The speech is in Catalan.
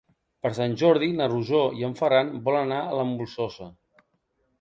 Per Sant Jordi na Rosó i en Ferran volen anar a la Molsosa.